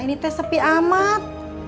ini teh sepi amat